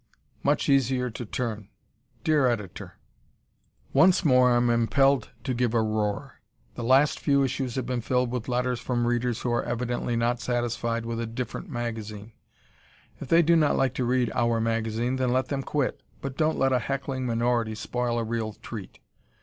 "Much Easier to Turn" Dear Editor: Once more I am impelled to give a roar. The last few issues have been filled with letters from readers who are evidently not satisfied with a "different" magazine. If they do not like to read "our" magazine then let them quit, but don't let a heckling minority spoil a real treat.